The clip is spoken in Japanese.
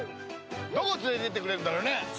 どこ連れてってくれるんだろうね。